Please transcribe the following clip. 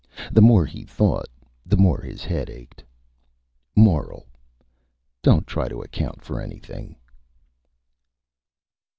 The more he Thought the more his Head ached. MORAL: _Don't try to Account for Anything.